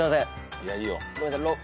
いやいいよ。